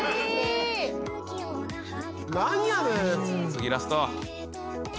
次ラスト。